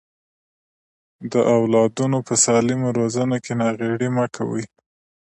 د اولادونو په سالمه روزنه کې ناغيړي مکوئ.